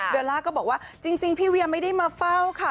เวลาก็บอกว่าจริงพี่เวียไม่ได้มาเฝ้าค่ะ